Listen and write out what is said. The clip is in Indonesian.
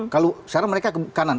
kalau sekarang mereka ke kanan